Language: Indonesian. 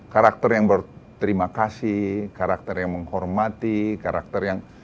karakter yang berterima kasih karakter yang menghormati karakter yang